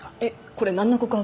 これなんの告白？